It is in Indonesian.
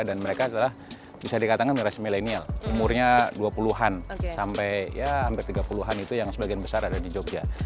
dan mereka adalah bisa dikatakan milenial umurnya dua puluh an sampai ya hampir tiga puluh an itu yang sebagian besar ada di jogja